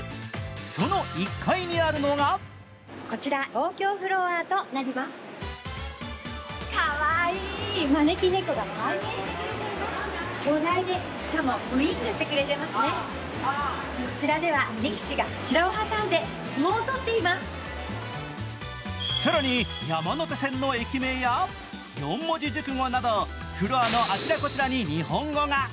その１階にあるのが更に山手線の駅名や四文字熟語などフロアのあちらこちらに日本語が。